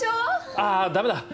あぁダメだ。